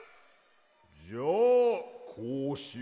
じゃあこうしよう。